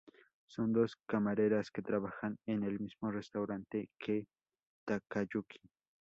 Son dos camareras que trabajan en el mismo restaurante que Takayuki.